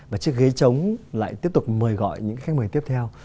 và chiếc ghế chống lại tiếp tục mời gọi những khách mời tiếp theo